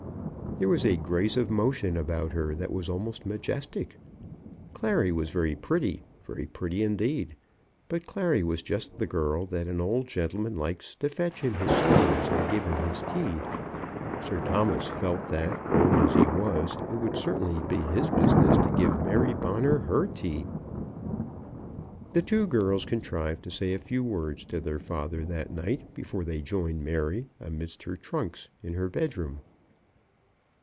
There was a grace of motion about her that was almost majestic. Clary was very pretty, very pretty, indeed; but Clary was just the girl that an old gentleman likes to fetch him his slippers and give him his tea. Sir Thomas felt that, old as he was, it would certainly be his business to give Mary Bonner her tea. The two girls contrived to say a few words to their father that night before they joined Mary amidst her trunks in her bedroom.